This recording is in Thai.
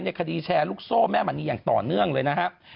คดีแชร์ลูกโซ่แม่มณีอย่างต่อเนื่องเลยนะครับ